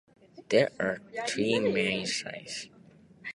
There are three main sizes.